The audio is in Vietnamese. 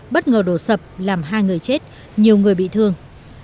bất ngờ đổ sập làm hai người chết nhiều người bị thương